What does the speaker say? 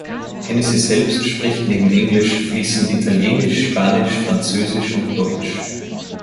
Hennessy selbst spricht neben Englisch fließend Italienisch, Spanisch, Französisch und Deutsch.